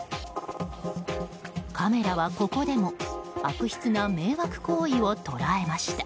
カメラはここでも悪質な迷惑行為を捉えました。